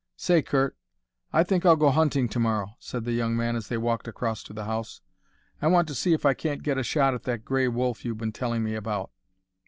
"Say, Curt, I think I'll go hunting to morrow," said the young man as they walked across to the house. "I want to see if I can't get a shot at that gray wolf you've been telling me about.